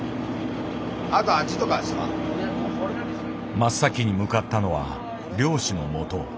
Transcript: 真っ先に向かったのは漁師のもと。